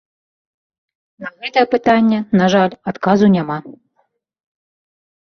На гэта пытанне, на жаль, адказу няма.